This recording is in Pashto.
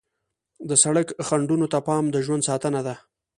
د سړک خنډونو ته پام د ژوند ساتنه ده.